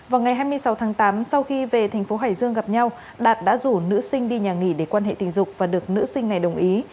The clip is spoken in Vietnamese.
vào ngày hai mươi sáu tháng tám sau khi về thành phố hải dương gặp nhau đạt đã rủ nữ sinh đi nhà nghỉ để quan hệ tình dục và được nữ sinh này đồng ý